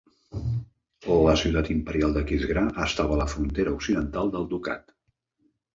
La ciutat imperial d'Aquisgrà estava a la frontera occidental del ducat.